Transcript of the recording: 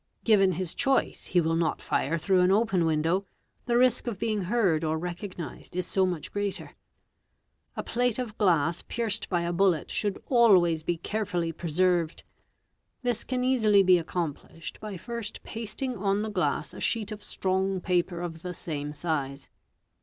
Given his choice, he will not fire through an open window, the risk of being heard or recognised is so much greater. A plate of glass pierced by a bullet should always be carefully preserved. This can easily be accomplished by first pasting on the glass a sheet of strong paper of the same size.